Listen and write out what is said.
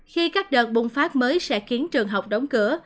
khi các đợt bùng phát mới sẽ khiến trường học đóng cửa